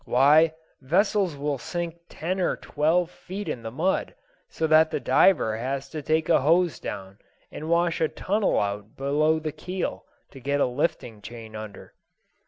Why, vessels will sink ten or twelve feet in the mud, so that the diver has to take a hose down, and wash a tunnel out below the keel, to get a lifting chain under."